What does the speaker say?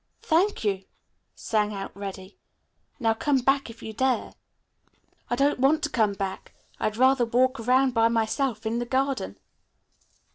"Thank you," sang out Reddy. "Now come back if you dare." "I don't want to come back. I'd rather walk around by myself in the garden."